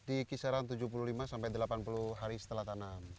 di kisaran tujuh puluh lima sampai delapan puluh hari setelah tanam